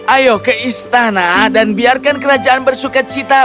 ayo ke istana dan biarkan kerajaan bersuka cita